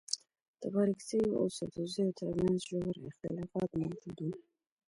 د بارکزيو او سدوزيو تر منځ ژور اختلافات موجود وه.